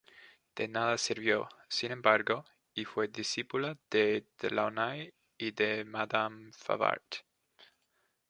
De nada sirvió, sin embargo, y fue discípula de Delaunay y de madame Favart.